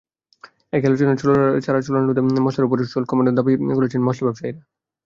একই আলোচনায় চোরাচালানরোধে মসলার ওপর শুল্ক কমানোর দাবি করেছেন মসলা ব্যবসায়ীরা।